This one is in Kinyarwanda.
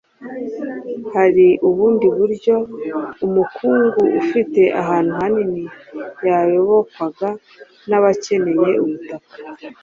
hari ubundi buryo umukungu ufite ahantu hanini yayobokwaga n'abekeneye ubutaka,